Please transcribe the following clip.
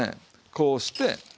こうして。